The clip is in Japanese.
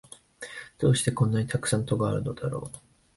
どうしてこんなにたくさん戸があるのだろう